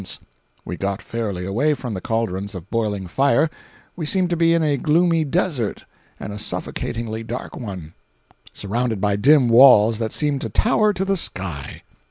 When we got fairly away from the cauldrons of boiling fire, we seemed to be in a gloomy desert, and a suffocatingly dark one, surrounded by dim walls that seemed to tower to the sky.